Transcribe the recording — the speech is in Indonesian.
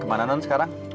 kemana non sekarang